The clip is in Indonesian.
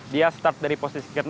dia start dari posisi ke enam